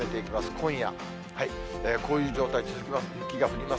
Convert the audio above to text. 今夜、こういう状態、続きます。